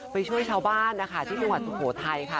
ช่วยชาวบ้านนะคะที่จังหวัดสุโขทัยค่ะ